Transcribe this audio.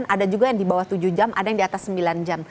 ada juga yang di bawah tujuh jam ada yang di atas sembilan jam